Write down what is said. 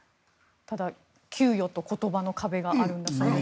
ただ給与と言葉の壁があるんだそうです。